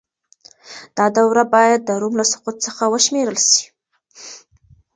دا دوره بايد د روم له سقوط څخه وشمېرل سي.